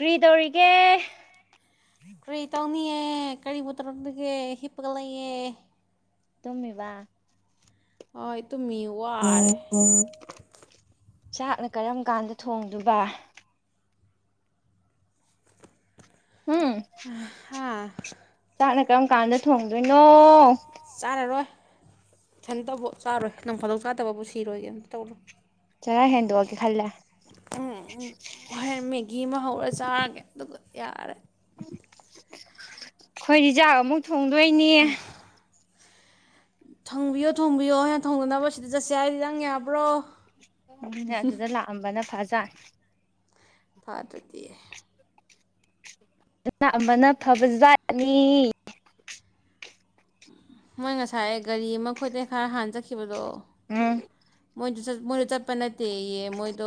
ꯀꯔꯤꯗꯧꯔꯤꯒꯦ ꯀ꯭ꯔꯤꯇꯧ ꯀꯅꯤꯑ ꯀꯔꯤꯕꯨ ꯇꯧꯔꯝꯗꯒꯦ ꯍꯤꯞꯄꯒ ꯂꯩꯌꯦ ꯇꯨꯝꯃꯤꯕ ꯍꯣꯢ ꯇꯨꯝꯃꯤꯌꯦ ꯋꯥꯔꯦ ꯆꯥꯛꯅ ꯀꯔꯝ ꯀꯥꯟꯗ ꯊꯣꯡꯗꯨꯕ ꯎꯝ ꯍꯥ ꯆꯥꯛꯅ ꯀꯔꯝ ꯀꯥꯟꯗ ꯊꯣꯡꯗꯣꯏꯅꯣ ꯆꯥꯔꯔꯣꯏ ꯏꯊꯟꯇꯕꯨ ꯆꯥꯔꯣꯏ ꯅꯪ ꯐꯥꯗꯣꯛ ꯆꯥꯗꯕꯕꯨ ꯁꯤꯔꯣꯏꯒꯦ ꯑꯝꯇ ꯇꯧꯔꯣꯏ ꯆꯔꯥ ꯍꯦꯟꯗꯣꯛ ꯑꯒꯦ ꯈꯜꯂꯦ ꯎꯝ ꯎ ꯍꯣꯔꯦꯟ ꯃꯦꯒꯤ ꯑꯃ ꯍꯧꯔ ꯆꯥꯔꯒꯦ ꯑꯗꯨꯒ ꯌꯥꯔꯦ ꯈꯣꯢꯗꯤ ꯆꯥꯛ ꯑꯃꯨꯛ ꯊꯣꯡꯗꯣꯏꯅꯤ ꯊꯣꯡꯕꯤꯌꯣ ꯊꯣꯡꯕꯤꯌꯣ ꯑꯩꯅ ꯊꯣꯡꯅꯅꯕ ꯁꯤꯗ ꯆꯠꯁꯦ ꯍꯥꯏꯗꯤ ꯅꯪ ꯌꯥꯕ꯭ꯔꯣ ꯑꯗꯨꯅꯦ ꯑꯗꯨꯗ ꯂꯥꯛꯑꯝꯕꯅ ꯐꯥ ꯆꯥꯛ ꯄꯥꯗ꯭ꯔꯗꯤ ꯑꯦ ꯑꯗꯨꯅ ꯑꯃꯅ ꯐꯕꯖꯥꯠꯅꯤ ꯃꯣꯏ ꯉꯁꯥꯏ ꯒꯥꯔꯤ ꯑꯃ ꯑꯩꯈꯣꯏꯗꯩ ꯈꯔ ꯍꯥꯟꯅ ꯆꯠꯈꯤꯕꯗꯣ ꯎꯝ ꯃꯣꯏꯗꯣ ꯃꯣꯏꯗꯣ ꯆꯠꯄ ꯅꯠꯇꯦꯑꯦ ꯃꯣꯏꯗꯣ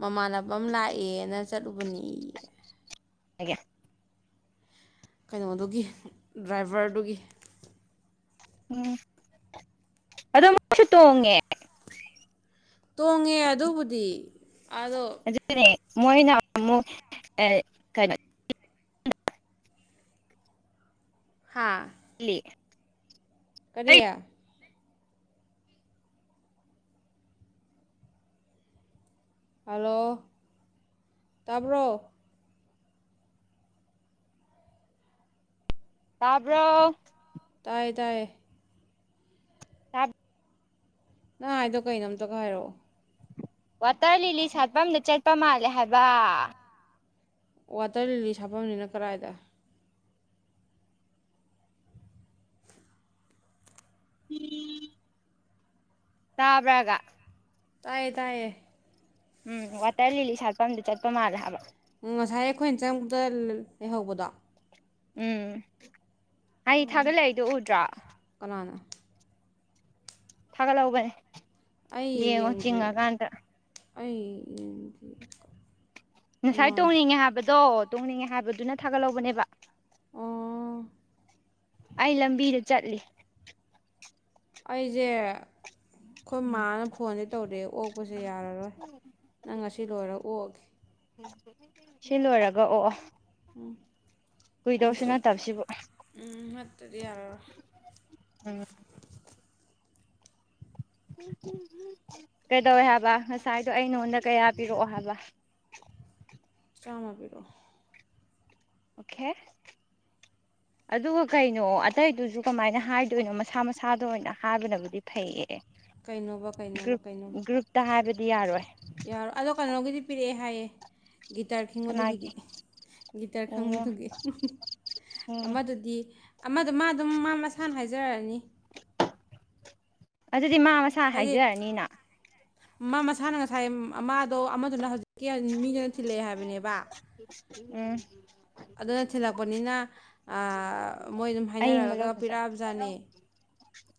ꯃꯃꯥꯟꯅꯕ ꯑꯃ ꯂꯥꯛꯑꯦꯅ ꯆꯠꯂꯨꯕꯅꯦ ꯑꯦ ꯀꯩꯅꯣꯗꯨꯒꯤ ꯗ꯭ꯔꯥꯏꯚꯔꯗꯨꯒꯤ ꯎꯝ ꯑꯗꯣ ꯃꯁꯨ ꯇꯣꯡꯉꯦ ꯇꯣꯡꯉꯦ ꯑꯗꯨꯕꯨꯗꯤ ꯑꯗꯣ ꯑꯗꯨꯅꯦ ꯃꯣꯏꯅ ꯑꯃꯨꯛ ꯑꯦ ꯀꯩꯅꯣ ꯍꯥꯥ ꯏꯜꯂꯤ ꯀꯔꯤꯌꯥ ꯍꯂꯣ ꯇꯥꯕ꯭ꯔꯣ ꯇꯥꯕ꯭ꯔꯣ ꯇꯥꯏꯌꯦ ꯇꯥꯏꯌꯦ ꯅꯪ ꯍꯥꯏꯗꯣ ꯀꯩꯅꯣ ꯑꯝꯇꯒ ꯍꯥꯏꯔꯛꯑꯣ ꯋꯥꯇꯔ ꯂꯤꯂꯤ ꯁꯥꯠꯄꯝꯗ ꯆꯠꯄ ꯃꯥꯜꯂꯦ ꯍꯥꯏꯕ ꯋꯥꯇꯔ ꯂꯤꯂꯤ ꯁꯥꯐꯝꯖꯤꯅ ꯀꯗꯥꯏꯗ ꯇꯥꯕ꯭ꯔꯥꯒ ꯇꯥꯏꯌꯦ ꯇꯥꯏꯌꯦ ꯎꯝ ꯋꯥꯇꯔ ꯂꯤ ꯂꯤ ꯁꯥꯠꯄꯝꯗꯤ ꯆꯠꯄ ꯃꯥꯂꯦ ꯍꯥꯏꯕ ꯑꯝ ꯉꯁꯥꯏ ꯑꯩꯈꯣꯏꯅ ꯆꯪꯕꯗ ꯂꯩꯍꯧꯕꯗꯣ ꯎꯝ ꯑꯩ ꯊꯥꯒꯠꯂꯛꯏꯗꯣ ꯎꯗ꯭ꯔꯣ ꯀꯅꯥꯅ ꯊꯥꯒꯠꯍꯧꯕꯅꯦ ꯑꯩ ꯌꯦꯡꯉꯣ ꯌꯦꯡꯗ꯭ꯔꯤ ꯆꯤꯉꯥ ꯀꯥꯟꯗ ꯑꯩ ꯉꯁꯥꯏ ꯀꯅꯥꯅ ꯇꯣꯡꯅꯤꯡꯉꯦ ꯍꯥꯏꯕꯗꯣ ꯇꯣꯡꯅꯤꯡꯉꯦ ꯍꯥꯏꯕꯗꯨꯅ ꯊꯥꯒꯠꯍꯧꯕꯅꯦꯕ ꯑꯣ ꯑꯩ ꯂꯝꯕꯤꯗ ꯆꯠꯂꯤ ꯑꯩꯖꯦ ꯑꯩꯈꯣꯏ ꯎꯝ ꯃꯥꯅ ꯐꯣꯟꯗꯤ ꯇꯧꯔꯛꯑꯦ ꯑꯣꯛꯄꯁꯦ ꯌꯥꯔꯔꯣꯏ ꯅꯪ ꯉꯁꯤ ꯂꯣꯏꯔꯒ ꯑꯣꯛꯑꯒꯦ ꯁꯤ ꯂꯣꯏꯔꯒ ꯑꯣꯛꯑꯣ ꯎꯝ ꯎꯝꯗꯤ ꯅꯠꯇꯕꯁꯤꯕꯨ ꯎꯝ ꯅꯠꯇꯗꯤ ꯌꯥꯔꯔꯣꯏ [inaudible] ꯀꯩꯗꯧꯋꯦ ꯍꯥꯏꯕ ꯉꯁꯥꯏꯗꯣ ꯑꯩ ꯅꯉꯣꯟꯗ ꯀꯌꯥ ꯄꯤꯔꯛꯑꯣ ꯍꯥꯏꯕ ꯆꯥꯝꯃ ꯄꯤꯔꯛꯑꯣ ꯑꯣꯀꯦ ꯑꯗꯨꯒ ꯀꯩꯅꯣ ꯑꯇꯩꯗꯨꯁꯨ ꯀꯃꯥꯏꯅ ꯍꯥꯏꯗꯣꯏꯅꯣ ꯃꯁꯥ ꯃꯁꯥꯗ ꯑꯣꯏꯅ ꯍꯥꯏꯕꯅꯕꯨꯗꯤ ꯐꯩꯌꯦ ꯀꯩꯅꯣꯕ ꯀꯩꯅꯣꯕ ꯀꯩꯅꯣꯕ ꯗꯤ ꯌꯥꯔꯣꯏ ꯌꯥꯔꯣ ꯑꯗꯣ ꯀꯩꯅꯣꯒꯤꯗꯤ ꯄꯤꯔꯛꯑꯦ ꯍꯥꯏꯌꯦꯦ ꯒꯤꯇꯥꯔ ꯀꯅꯥꯒꯤ ꯈꯪꯕꯗꯨꯒꯤꯗꯤ ꯒꯤꯇꯥꯔ ꯑꯣ ꯈꯪꯕꯗꯨꯒꯤ ꯍꯨꯝ ꯍꯨꯝ ꯎꯝ ꯑꯃꯗꯨꯗꯤ ꯑꯃꯗꯣ ꯃꯥ ꯑꯗꯨꯝ ꯃꯥ ꯃꯁꯥꯅ ꯍꯥꯏꯖꯔꯛꯑꯅꯤ ꯑꯗꯨꯗꯤ ꯃꯥ ꯃꯁꯥ ꯍꯥꯏꯗꯤ ꯍꯥꯏꯖꯔꯅꯤꯅ ꯃꯥ ꯃꯁꯥꯅ ꯉꯁꯥꯏ ꯃꯥꯗꯣ ꯑꯃꯗꯨꯅ ꯍꯧꯖꯤꯛ ꯍꯧꯖꯤꯛ ꯃꯤꯗꯨꯅ ꯊꯤꯜꯂꯛꯑꯦ ꯍꯥꯏꯕꯅꯦꯕ ꯎꯝ ꯑꯗꯨꯅ ꯊꯤꯜꯂꯛꯄꯅꯤꯅ ꯑꯥ ꯃꯣꯏ ꯑꯗꯨꯝ ꯑꯌꯤꯡꯕ ꯍꯥꯏꯅꯔꯛꯒ ꯂꯧꯗꯁꯨ ꯄꯤꯔꯛꯑꯕꯖꯥꯠꯅꯤ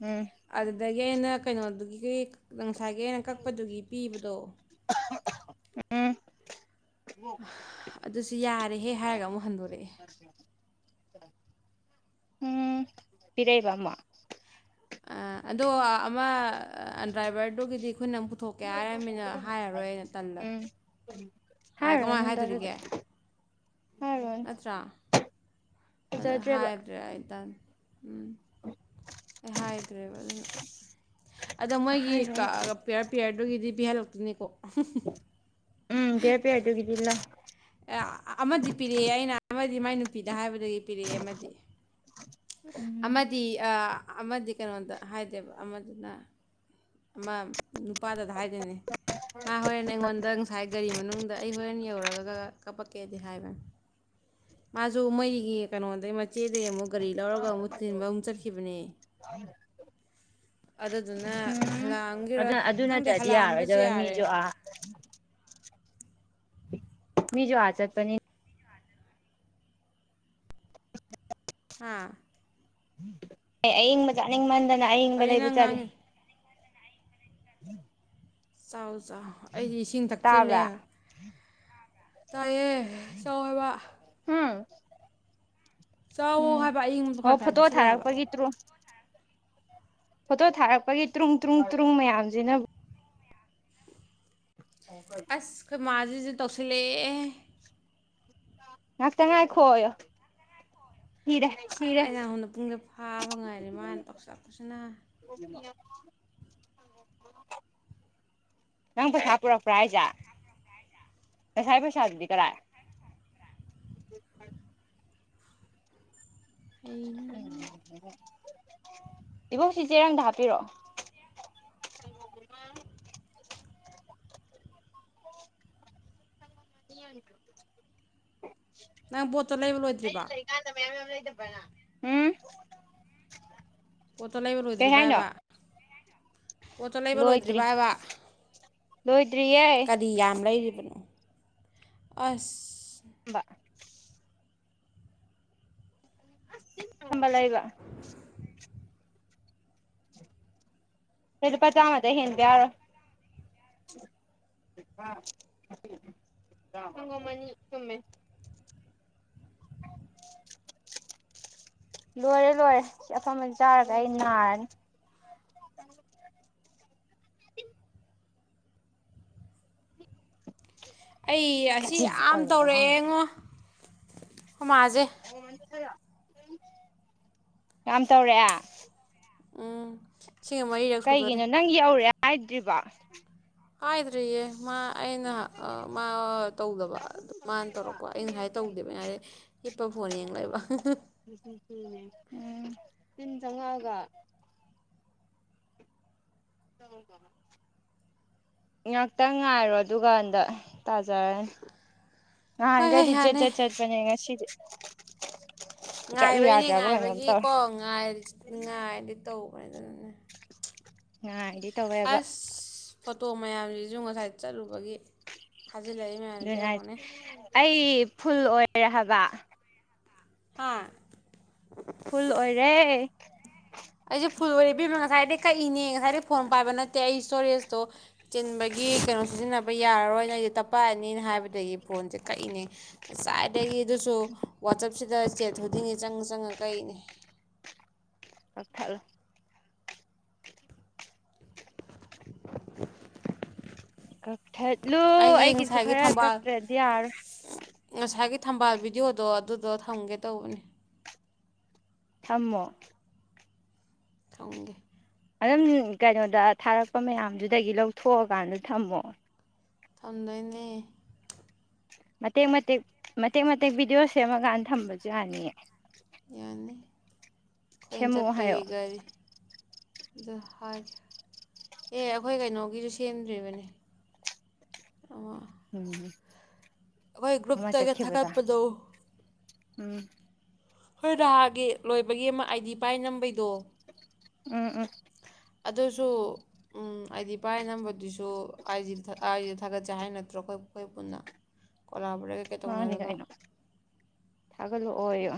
ꯎꯝ ꯑꯗꯨꯗꯒꯤ ꯑꯩꯅ ꯀꯩꯅꯣꯗꯨꯒꯤ ꯉꯁꯥꯏꯒꯤ ꯑꯩꯅ ꯀꯛꯄꯗꯨꯒꯤ ꯄꯤꯕꯗꯣ ꯑꯍꯥ ꯑꯍꯥ ꯎꯝ ꯑꯗꯨꯁꯨ ꯌꯥꯔꯦꯍꯦ ꯍꯥꯏꯔꯒ ꯑꯃꯨꯛ ꯍꯟꯗꯣꯔꯛꯑꯦ ꯎꯝ ꯄꯤꯔꯛꯏꯕ ꯑꯃꯨꯛ ꯑ ꯑꯗꯣ ꯑꯃ ꯗ꯭ꯔꯥꯏꯚꯔꯗꯨꯒꯤꯗꯤ ꯑꯈꯣꯏ ꯅꯪ ꯄꯨꯊꯣꯛꯀꯦ ꯍꯥꯏꯔꯃꯤꯅ ꯍꯥꯏꯔꯔꯣꯏꯩꯅ ꯇꯟꯂꯦ [unintelligible] ꯍꯥꯏꯔꯣꯅꯨꯗ ꯑꯗꯨꯗꯤ ꯍꯥꯏꯔꯨꯔꯅꯨ ꯅꯠꯇꯔ꯭ꯥ ꯑꯗ ꯐꯖꯗ꯭ꯔꯦꯕ ꯍꯥꯏꯕ꯭ꯔꯗꯨꯗ ꯑꯩ ꯇꯟ ꯎꯝ [inaudible] ꯑꯩ ꯍꯥꯏꯗ꯭ꯔꯦꯕ ꯑꯗꯨꯅ ꯑꯗꯣ ꯃꯣꯏꯒꯤ ꯍꯥꯏꯔꯨꯔꯅꯨ ꯀꯛꯑꯒ ꯄꯤꯌꯔ ꯄꯤꯌꯔꯗꯨꯒꯤꯗꯤ ꯄꯤꯍꯜꯂꯛꯇꯣꯏꯅꯤ ꯍꯨꯝ ꯍꯨꯝ ꯎꯝ ꯄꯤꯌꯔ ꯄꯤꯌꯔ ꯗꯨꯒꯤꯗꯤ ꯂꯧ ꯌꯥ ꯑꯃꯗꯤ ꯄꯤꯔꯛꯑꯦ ꯑꯩꯅ ꯑꯃꯗꯤ ꯃꯥꯏ ꯅꯨꯄꯤꯗ ꯍꯥꯏꯕ ꯑꯗꯨꯏꯒꯤ ꯄꯤꯔꯛꯑꯦ ꯑꯃꯗꯤ ꯎꯝ ꯑꯃꯗꯤ ꯑꯥ ꯑꯥ ꯑꯃꯗꯤ ꯀꯩꯅꯣꯗ ꯍꯥꯏꯗꯦꯕ ꯑꯃꯗꯨꯅ ꯃꯥ ꯅꯨꯄꯥꯗꯗ ꯍꯥꯏꯗꯣꯏꯅꯦ ꯃꯥ ꯍꯣꯔꯦꯟ ꯑꯩꯉꯣꯟꯗ ꯉꯁꯥꯏ ꯒꯥꯔꯤ ꯃꯅꯨꯡꯗ ꯑꯩ ꯍꯣꯔꯦꯟ ꯌꯧꯔꯒ ꯀꯞꯄꯛ ꯀꯦꯗꯤ ꯍꯥꯏꯕꯅꯤ ꯃꯥꯁꯨ ꯃꯣꯏꯒꯤ ꯀꯩꯅꯣꯗꯩ ꯏꯆꯦꯗꯩ ꯑꯃꯨꯛ ꯒꯥꯔꯤ ꯂꯧꯔꯒ ꯑꯃꯨꯛ ꯊꯤꯟꯕ ꯑꯃꯨꯛ ꯆꯠꯈꯤꯕꯅꯦ ꯑꯗꯨꯗꯨꯅ ꯎꯝ ꯑꯗꯨ ꯍꯜꯂꯛꯑꯝꯒꯤꯔꯣꯏ ꯑꯗꯨ ꯈꯪꯗꯦ ꯅꯠꯇ꯭ꯔꯗꯤ ꯍꯜꯂꯛꯑꯝꯕꯁꯨ ꯌꯥꯔꯣꯏꯗꯕ ꯌꯥꯔꯦ ꯃꯤꯁꯨ ꯑꯥ ꯃꯤꯁꯨ ꯑꯥ ꯆꯠꯄꯅꯤ ꯍꯥꯥ ꯑꯌꯤꯡꯕ ꯆꯥꯅꯤꯡ ꯃꯟꯗꯗ ꯑꯏꯤꯡꯕ ꯀꯔꯤ ꯂꯩꯕ ꯅꯪ ꯆꯠꯂꯤ ꯉꯥꯡꯉꯤ [inaudible] ꯆꯥꯎ ꯑꯥ ꯑꯩꯗꯤ ꯏꯁꯤꯡ ꯊꯛꯆꯤꯜꯂꯦ ꯇꯥꯕ꯭ꯔꯥ ꯇꯥꯏꯑꯦ ꯆꯥꯎ ꯍꯥꯏꯕ ꯍꯨꯝ ꯆꯥꯎꯋꯣ ꯎꯝ ꯍꯥꯏꯕ ꯑꯌꯤꯡꯕꯗꯣ ꯑꯣ ꯈꯔ ꯈꯔ ꯌꯥꯝ ꯐꯣꯇꯣ ꯊꯛꯆꯤꯜꯂꯣ ꯍꯥꯏꯕ ꯊꯥꯔꯛꯄꯒꯤ ꯇ꯭ꯔꯣ ꯐꯣꯇꯣ ꯊꯥꯔꯛꯄꯒꯤ ꯇ꯭ꯔꯨꯡ ꯇ꯭ꯔꯨꯡ ꯇ꯭ꯔꯨꯡ ꯃꯌꯥꯝꯁꯤꯅ ꯑꯁ ꯈꯣꯏ ꯃꯥ ꯁꯤꯁꯨ ꯇꯧꯁꯤꯜ ꯂꯛꯑꯦ ꯍꯦ ꯉꯥꯛ ꯇꯪ ꯉꯥꯏꯈꯣ ꯌꯣ ꯑꯩꯅ ꯁꯣꯝꯗ ꯄꯨꯡꯗ ꯐꯥꯕ ꯉꯥꯏꯔꯦ ꯃꯥꯅ ꯇꯧꯁꯜꯂꯛꯄ ꯁꯤꯅ ꯅꯪ ꯄꯩꯁꯥ ꯄꯨꯔꯛꯄ꯭ꯔꯥ ꯍꯥꯏꯁꯦ ꯉꯁꯥꯏ ꯄꯩꯁꯥ ꯗꯨꯗꯤ ꯀꯗꯥꯏ ꯍꯩꯅ [inaudible] ꯏꯕꯣꯛꯁꯤ ꯆꯦꯔꯪꯗ ꯍꯥꯞꯄꯤꯔꯛꯑꯣ ꯅꯪ ꯄꯣꯠꯇꯣ ꯂꯩꯕ ꯂꯣꯏꯗ꯭ꯔꯤꯕꯣ ꯎꯝ ꯄꯣꯠꯇꯣ ꯀꯩ ꯂꯩꯕꯂꯣꯏꯗ꯭ꯔꯤꯕ ꯍꯥꯏꯅꯣ ꯍꯥꯏꯕ ꯄꯣꯠꯇꯣ ꯂꯩꯕ ꯂꯣꯏꯗ꯭ꯔꯤ ꯂꯣꯏꯗ꯭ꯔꯤꯕ ꯍꯥꯏꯕ ꯂꯣꯏꯗ꯭ꯔꯤꯌꯦ ꯀꯔꯤ ꯌꯥꯝ ꯂꯩ ꯑꯁ ꯕꯥ [unintelligible] ꯀꯩ ꯂꯨꯄꯥ ꯆꯥꯝꯃꯗꯒꯤ ꯍꯦꯟꯕ ꯌꯥꯔꯣꯏ [unintelligible] ꯁꯪꯒꯣꯝ ꯑꯅꯤ ꯂꯣꯏꯔꯦ ꯂꯣꯏꯔꯦ ꯁꯤ ꯑꯐꯝꯕ ꯆꯥꯔꯒ ꯑꯩ ꯅꯥꯔꯅꯤ ꯑꯩ ꯑꯁꯤ ꯌꯥꯝ ꯇꯧꯔꯛꯑꯦ ꯉꯣ [unintelligible] ꯌꯥꯝ ꯇꯧꯔꯛꯑꯦ ꯎꯝ ꯁꯤꯒ ꯃꯔꯤꯔꯛ ꯁꯨꯗꯣꯔꯦ ꯀꯩꯒꯤꯅꯣ ꯅꯪ ꯌꯧꯔꯦ ꯍꯥꯏꯗ꯭ꯔꯤꯕꯥ ꯍꯥꯏꯗ꯭ꯔꯤꯌꯦ ꯃꯥ ꯑꯩꯅ ꯑ ꯃꯥ ꯇꯧꯗꯕ ꯑꯗꯣ ꯃꯥꯅ ꯇꯧꯔꯛꯄ ꯑꯩꯅ ꯉꯁꯥꯏ ꯇꯧꯗꯦꯕ ꯉ ꯍꯥꯏꯔꯦ ꯍꯤꯞꯄ ꯐꯣꯟ ꯌꯦꯡ ꯂꯩꯕ ꯆꯧꯉꯥꯒ ꯉꯥꯛꯇ ꯉꯥꯏꯔꯣ ꯑꯗꯨꯒꯥꯟꯗ ꯇꯥꯖꯔꯅꯤ ꯍꯣꯏ ꯍꯣꯏ ꯉꯍꯥꯟꯒꯩꯗꯤ ꯌꯥꯅꯤ ꯖꯦꯖꯠ ꯆꯠꯄꯅꯦ ꯉꯁꯤꯗꯤ ꯆꯠꯂꯨ ꯉꯥꯏꯕꯩꯅꯦ ꯌꯥꯗ꯭ꯔꯕ ꯀꯩꯅꯣꯝ ꯇꯧꯔꯦ ꯉꯥꯏꯕꯒꯤꯀꯣꯥ ꯉꯥꯏ ꯉꯥꯏꯔꯗꯤ ꯇꯧ [unintelligible] ꯅꯍꯥꯟꯗꯤ ꯇꯧꯋꯦꯕ ꯑꯁ ꯐꯣꯇꯣ ꯃꯌꯥꯝꯖꯤꯗꯤ ꯖꯨ ꯉꯁꯥꯏ ꯆꯠꯂꯨꯕꯒꯤ ꯊꯥꯖꯤꯜꯂꯛꯏ ꯃꯌꯥꯝꯖꯤ ꯑꯗꯨꯅ ꯌꯦꯡꯉꯨꯅꯦ ꯑꯩ ꯐꯨꯜ ꯑꯣꯏꯔꯦ ꯍꯥꯏꯕ ꯍꯥ ꯐꯨꯜ ꯑꯣꯏꯔꯦ ꯑꯩꯖꯨ ꯐꯨꯜ ꯑꯣꯏꯔꯦ ꯏꯕꯦꯝꯃ ꯉꯁꯥꯏꯗꯩ ꯀꯛꯏꯅꯦ ꯉꯁꯥꯏꯗꯩ ꯐꯣꯟ ꯄꯥꯏꯕ ꯅꯠꯇꯦ ꯑꯩ ꯏꯁꯇꯣꯔꯦꯖꯇꯣ ꯆꯤꯟꯕꯒꯤ ꯀꯩꯅꯣ ꯁꯤꯖꯤꯟꯅꯕ ꯌꯥꯔꯔꯣꯏꯅ ꯑꯩꯁꯨ ꯇꯞꯄꯛꯑꯅꯤꯅ ꯍꯥꯏꯕꯗꯒꯤ ꯐꯣꯟꯁꯦ ꯀꯛꯏꯅꯦ ꯉꯁꯥꯏ ꯗꯒꯤ ꯑꯗꯨꯁꯨ ꯋꯥꯆꯦꯞꯁꯤ [unintelligible] ꯆꯪꯉ ꯆꯪꯉ ꯀꯛꯂꯤꯅꯦ ꯀꯛꯊꯠꯂꯣ [inaudible] ꯀꯛꯊꯠꯂꯨ ꯑꯩꯗꯤ ꯑꯩꯒꯤꯁꯨ ꯉꯁꯥꯏꯒꯤ ꯈꯔ ꯊꯝꯕꯥꯜ ꯀꯛꯇ꯭ꯔꯗꯤ ꯌꯥꯔꯔꯣꯏ ꯉꯁꯥꯏꯒꯤ ꯊꯝꯕꯥꯜ ꯚꯤꯗꯤꯑꯣꯗꯣ ꯑꯗꯨꯗꯣ ꯊꯝꯒꯦ ꯇꯧꯕꯅꯦ ꯊꯝꯃꯣ ꯊꯝꯒꯦ ꯑꯗꯨꯝ ꯀꯩꯅꯣꯗ ꯊꯥꯔꯛꯄ ꯃꯌꯥꯝꯗꯨꯗꯒꯤ ꯂꯧꯊꯣꯛꯑꯀꯥꯟꯗ ꯊꯝꯃꯣ ꯊꯝꯗꯣꯏꯅꯦ ꯃꯇꯦꯛ ꯃꯇꯦꯛ ꯃꯇꯦꯛ ꯃꯇꯦꯛ ꯚꯤꯗꯤꯑꯣ ꯁꯦꯝꯃꯀꯥꯟꯗ ꯊꯝꯕꯁꯨ ꯌꯥꯅꯤꯌꯦ ꯌꯥꯅꯤ ꯑꯩꯈꯣꯏꯅ ꯁꯦꯝꯃꯛꯑꯣ ꯍꯥꯏꯌꯣ ꯆꯠꯄꯒꯤ ꯒꯥꯔꯤ ꯑꯗꯨ ꯍꯥꯏꯒꯦ ꯑꯦ ꯑꯩꯈꯣꯏ ꯀꯩꯅꯣꯒꯤꯁꯨ ꯁꯦꯝꯗ꯭ꯔꯤꯕꯅꯦ ꯎꯝ ꯑꯩꯈꯣꯏ ꯑꯃ ꯒ꯭ꯔꯨꯞꯇꯒ ꯆꯠꯈꯤꯕꯗ ꯊꯥꯒꯠꯄꯗꯣ ꯎꯝ ꯍꯣꯏ ꯅꯍꯥꯟꯒꯤ ꯂꯣꯏꯕꯒꯤ ꯑꯃ ꯑꯥꯏꯗꯤ ꯄꯥꯏ ꯅꯝꯕꯩꯗꯣ ꯎꯝ ꯎꯝ ꯑꯗꯨꯁꯨ ꯎꯝ ꯑꯥꯏꯗꯤ ꯄꯥꯏꯔ ꯅꯝꯕꯗꯨꯁꯨ ꯑꯥꯏꯖꯤ ꯑꯥꯏ ꯖꯤꯗ ꯊꯥꯒꯠꯆꯦ ꯍꯥꯏ ꯅꯠꯇ꯭ꯔꯣ ꯑꯩꯈꯣꯏ ꯑꯩꯈꯣꯏ ꯄꯨꯟꯅ ꯀꯣꯂꯥꯕꯣꯔꯦꯠ ꯀꯩꯀꯩ ꯃꯥꯅꯦ ꯇꯧꯅꯔꯒ ꯀꯩꯅꯣ ꯊꯥꯒꯠꯂꯛꯑꯣ ꯌꯣ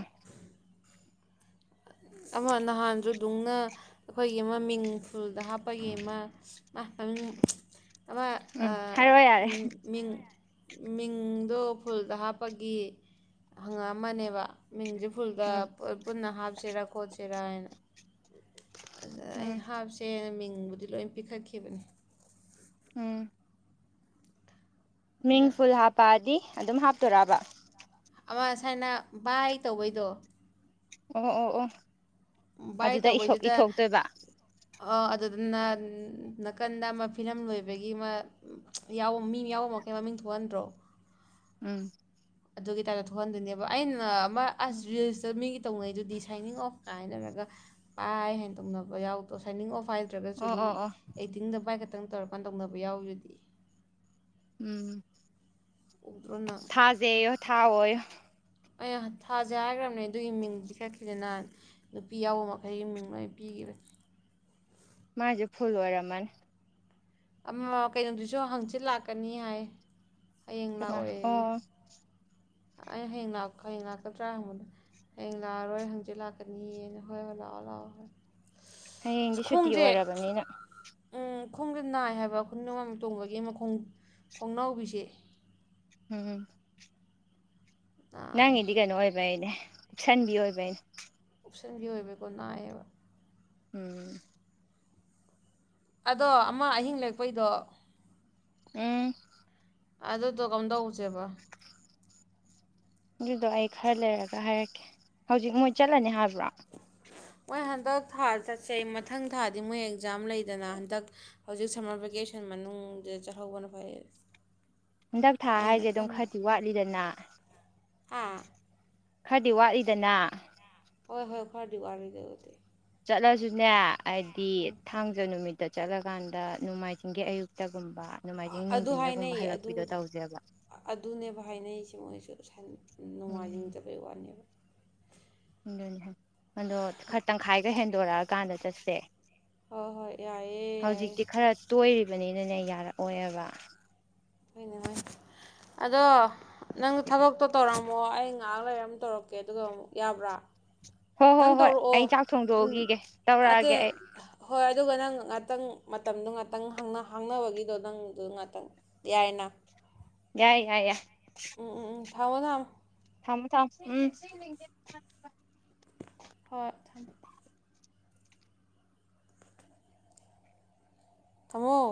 ꯑꯃ ꯅꯍꯥꯟꯁꯨ ꯗꯨꯡꯅ ꯑꯩꯈꯣꯏꯒꯤ ꯃꯤꯡ ꯐꯨꯜꯗ ꯍꯥꯞꯄꯒꯤ ꯑꯃ ꯃꯃꯤꯡ ꯑꯃ ꯎꯝ ꯍꯥꯏꯔꯛꯑꯣ ꯌꯥꯔꯦ ꯃꯤꯡ ꯃꯤꯡꯗꯣ ꯐꯨꯜꯗ ꯍꯥꯞꯄꯒꯤ ꯍꯪꯉꯛꯑꯝꯃꯅꯦꯕ ꯃꯤꯡꯖꯦ ꯐꯨꯜꯒ ꯎꯝ ꯄꯨꯟꯅ ꯍꯥꯞꯁꯤꯔꯥ [unintelligible] ꯎꯝ ꯑꯩꯅ ꯍꯥꯞꯁꯦ ꯃꯤꯡ ꯃꯤꯡꯕꯨꯗꯤ ꯂꯣꯏꯝ ꯄꯤꯈꯠꯈꯤꯕꯅꯤ ꯎꯝ ꯃꯤꯡ ꯑꯗꯣ ꯐꯨꯜ ꯍꯥꯞꯄꯑꯗꯤ ꯑꯗꯨꯝ ꯍꯥꯞꯇꯣꯔꯥꯕ ꯑꯃꯁꯥꯏꯅ ꯕꯥꯏ ꯇꯧꯕꯩꯗꯣ ꯑꯣ ꯑꯣ ꯑꯣ ꯑꯗꯨꯗ ꯏꯁꯣꯛ ꯏꯊꯣꯛꯇꯣꯏꯕ ꯑ ꯑꯗꯨꯗꯨꯅ ꯅꯥꯀꯟꯗ ꯑꯃ ꯐꯤꯂꯝ ꯂꯣꯏꯕꯒꯤ ꯑꯃ ꯃꯤ ꯌꯥꯎꯕ ꯃꯤ ꯌꯥꯎꯕꯃꯈꯩ ꯃꯃꯤꯡ ꯊꯣꯛꯍꯟꯗ꯭ꯔꯣ ꯎꯝ ꯑꯗꯨꯒꯤ ꯇꯥꯏꯞꯇ ꯊꯣꯛꯍꯟꯗꯣꯏꯅꯦꯕ ꯑꯩꯅ ꯃ ꯑꯁ ꯎꯝ ꯔꯤꯜꯁ ꯇꯣ ꯃꯤꯒꯤ ꯇꯧꯅꯩꯗꯨꯗꯤ ꯁꯥꯏꯅꯤꯡ ꯑꯣꯐ ꯀꯥꯏꯅ ꯍꯥꯏꯅꯔꯒ ꯕꯥꯏ ꯍꯥꯏ ꯇꯧꯅꯕ ꯌꯥꯎꯗꯣ ꯁꯥꯏꯅꯤꯡ ꯑꯣꯐ ꯍꯥꯏ ꯅꯠꯇ꯭ꯔꯥꯒꯁꯨ ꯑꯣ ꯑꯗꯨꯝ ꯑꯣ ꯑꯣ ꯑꯦꯛꯇꯤꯡꯗ ꯕꯥꯏꯀ ꯈꯤꯇꯪ ꯇꯧꯔꯀꯥꯟ ꯇꯧꯅꯕ ꯌꯥꯎꯔꯤꯗꯨꯗꯤ ꯎꯝ ꯎꯗ꯭ꯔꯣ ꯅꯪ ꯊꯥꯖꯦꯌꯣ ꯊ ꯊꯑꯣꯌꯣ ꯑꯩ ꯊꯥꯖꯦ ꯍꯥꯏꯒ꯭ꯔꯕꯅꯦ ꯑꯗꯨꯒꯤ ꯃꯤꯡ ꯄꯤꯈꯠꯈꯤ ꯅꯍꯥꯟ ꯅꯨꯄꯤ ꯌꯥꯎꯕ ꯃꯈꯩꯒꯤ ꯃꯤꯡ ꯂꯣꯏꯅ ꯄꯤꯒꯤꯕꯅꯦ ꯃꯥꯏꯖꯦ ꯐꯨꯜ ꯑꯣꯏꯔꯝꯃꯅꯤ ꯑꯝꯃ ꯀꯩꯅꯣꯗꯨꯁꯨ ꯍꯪꯆꯤꯠ ꯂꯥꯛꯀꯅꯤ ꯍꯥꯏ ꯍꯌꯦꯡ ꯑꯗꯨꯅ ꯂꯥꯛꯑꯣꯏ ꯍꯣ ꯑꯩ ꯍꯣꯢ ꯑꯩ ꯍꯌꯦꯡ ꯂꯥꯛ ꯍꯌꯦꯡ ꯂꯥꯛꯀꯗ꯭ꯔꯥ ꯍꯪꯕꯅꯦ ꯍꯌꯦꯡ ꯂꯥꯛꯑꯔꯣꯏ ꯍꯪꯆꯤꯠ ꯂꯥꯛꯀꯅꯤꯌꯦꯅ ꯍꯣꯏ ꯍꯣꯏ ꯂꯥꯛꯑꯣ ꯂꯥꯛꯑꯣ ꯍꯥꯏ ꯍꯌꯦꯡꯗꯤ ꯁꯨꯇꯤ ꯑꯣꯏꯔꯕꯅꯤꯅ ꯈꯣꯡꯖꯦ ꯅꯥꯏ ꯍꯥꯏꯕ ꯈꯨꯅꯤꯡ ꯑꯋꯥꯡꯕꯤ ꯇꯣꯡꯕꯒꯤ ꯑꯃ ꯈꯣꯡ ꯈꯣꯡꯅꯥꯎꯕꯤꯁꯦ ꯎꯝ ꯅꯥꯏ ꯅꯪ ꯒꯤꯗꯤ ꯀꯩꯅꯣ ꯑꯣꯏꯕꯩꯅꯦ ꯎꯨꯞꯁꯟꯕꯤ ꯑꯣꯏꯕꯩꯅꯦ ꯀꯨꯞꯁꯟꯒꯤ ꯑꯣꯏꯕꯀꯣ ꯅꯥꯏꯌꯦꯕ ꯎꯝ ꯑꯗꯣ ꯑꯃ ꯑꯍꯤꯡ ꯂꯦꯛꯄꯩꯗꯣ ꯎꯝ ꯑꯗꯨꯗꯣ ꯀꯝ ꯗꯧꯁꯦꯕ ꯑꯗꯨꯗꯣ ꯑꯩ ꯈꯔ ꯂꯩꯔꯒ ꯍꯥꯏꯔꯛꯀꯦ ꯍꯧꯖꯤꯛ ꯃꯣꯏ ꯆꯠꯂꯅꯤ ꯍꯥꯏꯕ꯭ꯔꯣ ꯃꯣꯏ ꯍꯟꯗꯛ ꯊꯥ ꯆꯠꯁꯦ ꯃꯊꯪ ꯊꯥꯗꯤ ꯃꯣꯏ ꯑꯦꯛꯖꯥꯝ ꯂꯩꯗꯅ ꯍꯟꯗꯛ ꯍꯧꯖꯤꯛ ꯁꯝꯃꯔ ꯚꯦꯀꯦꯁꯟ ꯃꯅꯨꯡꯗ ꯆꯠꯍꯧꯕꯅ ꯐꯩ ꯍꯟꯗꯛ ꯊꯥ ꯍꯥꯏꯅ ꯍꯥꯏꯖꯦ ꯑꯗꯨꯝ ꯈꯔꯗꯤ ꯋꯥꯠꯂꯤꯗꯅ ꯑꯥ ꯈꯔꯗꯤ ꯋꯥꯠꯂꯤꯗꯅ ꯍꯣꯏ ꯍꯣꯏ ꯈꯔꯗꯤ ꯋꯥꯠꯂꯤ ꯗꯨꯕꯨꯗꯤ ꯆꯠꯂꯖꯨꯅꯦ ꯍꯥꯏꯗꯤ ꯊꯥꯡꯖ ꯅꯨꯃꯤꯠ ꯗ ꯆꯠꯂꯀꯥꯟꯗ ꯅꯣꯡꯃꯥꯏꯖꯤꯡꯒꯤ ꯑꯌꯨꯛꯇꯒꯨꯝꯕ ꯅꯣꯡꯃꯥꯏꯖꯤꯡ ꯑꯗꯨ ꯅꯨꯡꯊꯤꯟꯗꯒꯨꯝꯕ ꯍꯥꯏꯅꯩꯌꯦ ꯑꯗꯨ ꯍꯜꯂꯛꯄꯤꯗꯣ ꯇꯧꯁꯦꯕ ꯑꯗꯨꯅꯦꯕ ꯍꯥꯏꯅꯩꯁꯦ ꯃꯣꯏꯁꯨ ꯎꯝ ꯅꯨꯡꯃꯥꯏꯖꯤꯡꯗꯕꯩ ꯋꯥꯅꯦꯕ ꯑꯗꯨꯅꯤ ꯑꯗꯣ ꯈꯔ ꯇꯪꯈꯥꯏꯒ ꯍꯦꯟꯗꯣꯔꯛꯑꯀꯥꯟꯗ ꯆꯠꯁꯦ ꯍꯣꯏ ꯍꯣꯏ ꯌꯥꯏꯌꯦ ꯌꯥꯏꯌꯦ ꯍꯧꯖꯤꯛꯇꯤ ꯈꯔ ꯇꯣꯏꯔꯤ ꯕꯅꯤꯅꯅꯦ ꯌꯥꯔꯛꯑꯣꯏꯕ ꯑꯗꯣ ꯅꯪ ꯊꯕꯛ ꯇꯣ ꯇꯧꯔꯝ ꯑꯃꯃꯣ ꯑꯩ ꯉꯥꯏꯍꯥꯛ ꯂꯩꯔ ꯑꯃꯨꯛ ꯇꯧꯔꯛꯀꯦ ꯑꯗꯨꯒ ꯑꯃꯨꯛ ꯌꯥꯕ꯭ꯔꯣ ꯍꯣ ꯍꯣ ꯍꯣꯏ ꯑꯩ ꯆꯥꯛ ꯊꯣꯡꯗꯣꯛꯎꯒꯤꯒꯦ ꯇꯧꯔꯛꯑꯒꯦ ꯑꯇꯩ ꯑꯩ ꯍꯣꯏ ꯑꯗꯨꯒ ꯅꯪ ꯉꯥꯛꯇꯪ ꯃꯇꯝꯗꯣ ꯉꯥꯛꯇꯪ ꯍꯥꯡ ꯍꯥꯡꯅꯕꯒꯤꯗꯣ ꯅꯪ ꯉꯥꯛꯇꯪ ꯌꯥꯏꯅ ꯌꯥꯏ ꯌꯥꯏ ꯌꯥ [inaudible] ꯎꯝ ꯎꯝ ꯎꯝ ꯊꯝꯃꯣ ꯊꯝꯃꯣ ꯊꯃꯣ ꯊꯃꯣ ꯎꯝ ꯍꯣꯏ ꯊꯝꯃꯣ